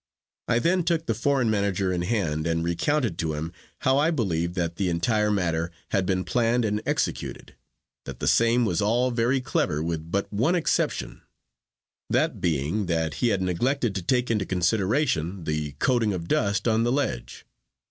I then took the foreign manager in hand and recounted to him how I believed that the entire matter had been planned and executed, that the same was all very clever with but one exception that being that he had neglected to take into consideration the coating of dust on the ledge.